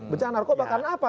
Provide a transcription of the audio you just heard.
bencana narkoba karena apa